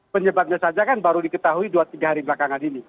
penyebabnya saja kan baru diketahui dua tiga hari belakangan ini